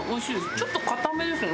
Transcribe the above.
ちょっと硬めですね。